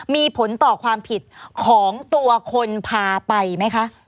มีผลต่อความผิดของตัวคนพาไปไหมคะ